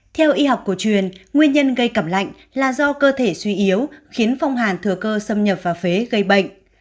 theo y học cổ truyền nguyên nhân gây cảm lạnh là do cơ thể suy yếu khiến phong hàn thừa cơ xâm nhập vào phế gây bệnh